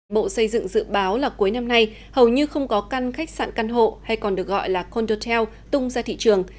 bộ xây dựng dự báo là cuối năm nay hầu như không có căn khách sạn căn hộ hay còn được gọi là condotel tung ra thị trường